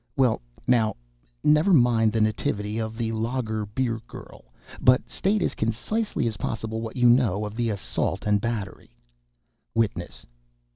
"Well, now, never mind the nativity of the lager beer girl, but state, as concisely as possible, what you know of the assault and battery." WITNESS.